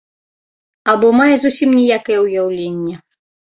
Або мае зусім ніякае ўяўленне.